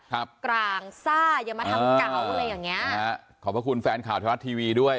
กลางซ่าอย่ามาทำเก่าอะไรอย่างเงี้ยนะฮะขอบพระคุณแฟนข่าวไทยรัฐทีวีด้วย